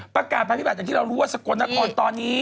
ประกาศภัยพิบัตรอย่างที่เรารู้ว่าสกลนครตอนนี้